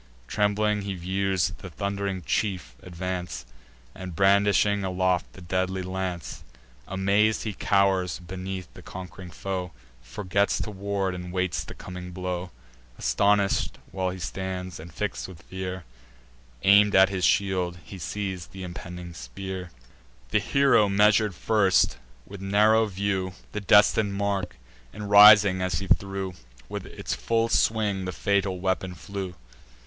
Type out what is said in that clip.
Trembling he views the thund'ring chief advance, And brandishing aloft the deadly lance: Amaz'd he cow'rs beneath his conqu'ring foe, Forgets to ward, and waits the coming blow. Astonish'd while he stands, and fix'd with fear, Aim'd at his shield he sees th' impending spear. The hero measur'd first, with narrow view, The destin'd mark; and, rising as he threw, With its full swing the fatal weapon flew.